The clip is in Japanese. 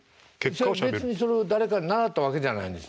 別にその誰かに習ったわけじゃないんですね。